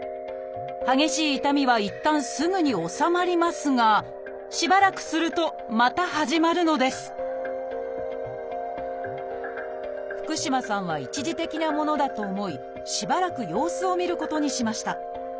激しい痛みはいったんすぐに治まりますがしばらくするとまた始まるのです福嶋さんは一時的なものだと思いしばらく様子を見ることにしました。